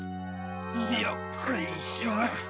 よっこいしょ。